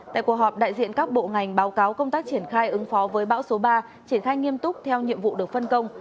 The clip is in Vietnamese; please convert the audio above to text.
tại cuộc họp đại diện các bộ ngành báo cáo công tác triển khai ứng phó với bão số ba triển khai nghiêm túc theo nhiệm vụ được phân công